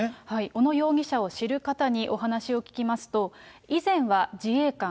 小野容疑者を知る方にお話を聞きますと、以前は自衛官。